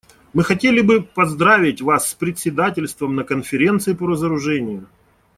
Мы хотели бы поздравить вас с председательством на Конференции по разоружению.